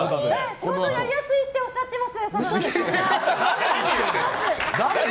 仕事やりやすいっておっしゃってます！